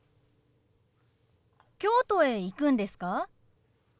京都へ行くんですか？